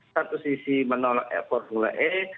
satu sisi menolak e portula e